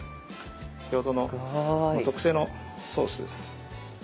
先ほどの特製のソース。